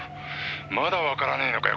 「まだわからねえのかよ